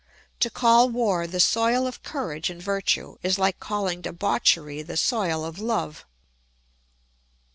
To call war the soil of courage and virtue is like calling debauchery the soil of love.